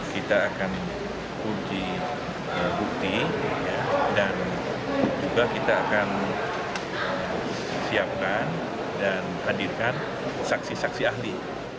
kita akan uji bukti dan juga kita akan siapkan dan hadirkan saksi saksi ahli